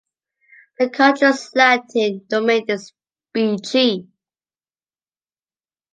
The country’s Latin domain is bg.